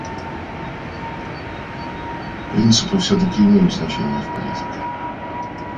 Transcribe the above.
Принципы все-таки имеют значение в политике.